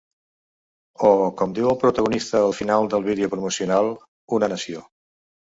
O, com diu el protagonista al final del vídeo promocional: Una nació.